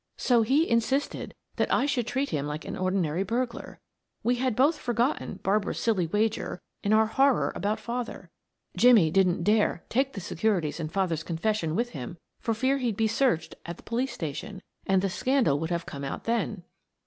"So he insisted that I should treat him like an ordinary burglar we had both forgotten Barbara's silly wager in our horror about father. Jimmie didn't dare take the securities and father's confession with him for fear he'd be searched at the police station, and the scandal would have come out then."